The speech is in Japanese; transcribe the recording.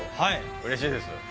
うれしいです。